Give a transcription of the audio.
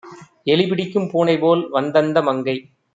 எலிபிடிக்கும் பூனைபோல் வந்தந்த மங்கை